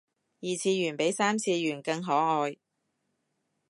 二次元比三次元更可愛